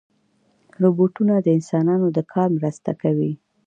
روبوټونه د انسانانو د کار مرسته کوي.